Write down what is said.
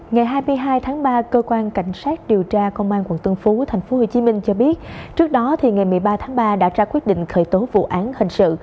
ngày hai mươi hai tháng ba cơ quan cảnh sát điều tra công an tp hcm cho biết trước đó thì ngày một mươi ba tháng ba đã ra quyết định khởi tố vụ án hình sự